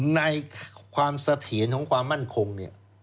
ในความเสถียรของความมั่นคงเนี่ย